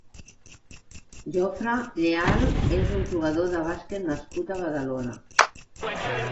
Joffre Lleal és un jugador de bàsquet nascut a Badalona.